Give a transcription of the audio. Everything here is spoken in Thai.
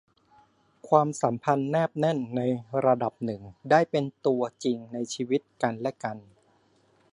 ความสัมพันธ์แนบแน่นในระดับหนึ่ง ได้เป็นตัวจริงในชีวิตกันและกัน